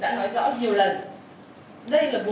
chúng tôi đã nói rõ nhiều lần đây là vùng biển